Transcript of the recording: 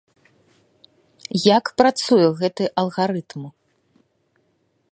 Як працуе гэты алгарытм?